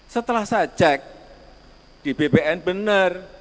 setelah saya cek di bpn benar